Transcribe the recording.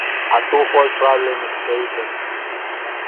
A twofold problem is created